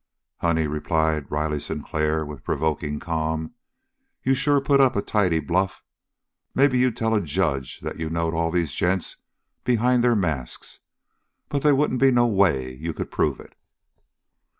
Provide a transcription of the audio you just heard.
"Honey," replied Riley Sinclair with provoking calm, "you sure put up a tidy bluff. Maybe you'd tell a judge that you knowed all these gents behind their masks, but they wouldn't be no way you could prove it!"